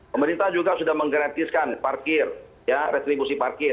pemerintah juga sudah menggratiskan parkir ya restribusi parkir